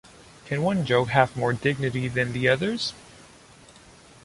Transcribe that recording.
Can one joke have more dignity than the others?